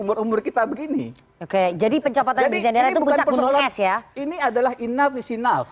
umur umur kita begini oke jadi pencapaian jadinya itu puncak gunung es ya ini adalah inaf is enough